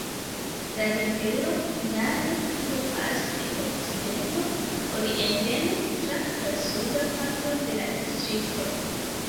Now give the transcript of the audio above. La rivero Nahe fluas de okcidento orienten tra la suda parto de la distrikto.